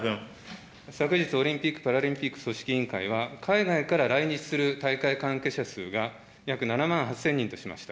昨日、オリンピック・パラリンピック組織委員会は、海外から来日する大会関係者数が、約７万８０００人としました。